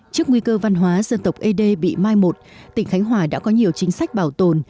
trước nguy cơ văn hóa dân tộc ế đê bị mai một tỉnh khánh hòa đã có nhiều chính sách bảo tồn